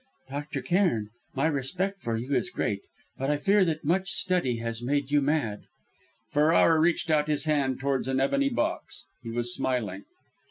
"Dr. Cairn, my respect for you is great; but I fear that much study has made you mad." Ferrara reached out his hand towards an ebony box; he was smiling.